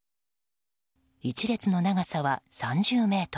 １列の長さは３０ｍ。